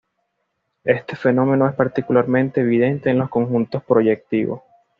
Este fenómeno es particularmente evidente en los conjuntos proyectivos.